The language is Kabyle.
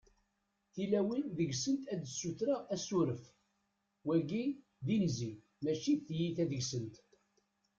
tilawin deg-sent ad ssutreɣ asuref, wagi d inzi mačči t-tiyita deg-sent